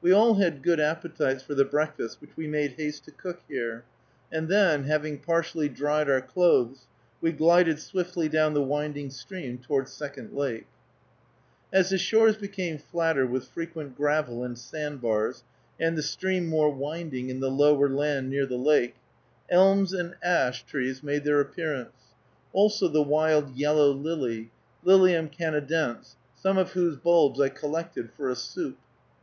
We all had good appetites for the breakfast which we made haste to cook here, and then, having partially dried our clothes, we glided swiftly down the winding stream toward Second Lake. As the shores became flatter with frequent gravel and sand bars, and the stream more winding in the lower land near the lake, elms and ash trees made their appearance; also the wild yellow lily (Lilium Canadense), some of whose bulbs I collected for a soup.